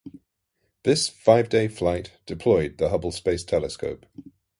This five-day flight deployed the Hubble Space Telescope.